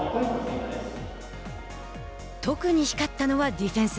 特に光ったのはディフェンス。